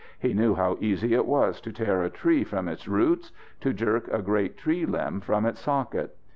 He knew how easy it was to tear a tree from its roots, to jerk a great tree limb from its socket.